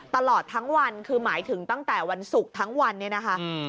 ตลอดทั้งวันคือหมายถึงตั้งแต่วันศุกร์ทั้งวันเนี่ยนะคะ